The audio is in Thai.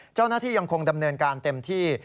เจ้าหน้าที่ยังคงดำเนินการเต็มที่